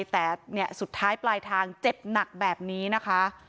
แต่สุดท้ายปลายทางเจ็บหนักแบบนี้นะคะ